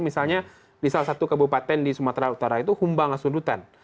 misalnya di salah satu kabupaten di sumatera utara itu humbang asudutan